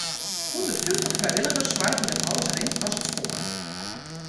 Hûndertfyftich frijwilligers soargje dat alles rint as it spoar.